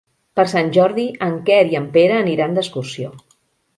Per Sant Jordi en Quer i en Pere aniran d'excursió.